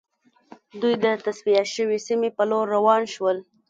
دوی د تصفیه شوې سیمې په لور روان شول